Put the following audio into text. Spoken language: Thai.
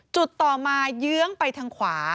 ต่อมาเยื้องไปทางขวา